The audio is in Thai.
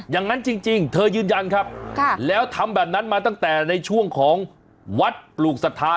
อย่างนั้นจริงเธอยืนยันครับแล้วทำแบบนั้นมาตั้งแต่ในช่วงของวัดปลูกศรัทธา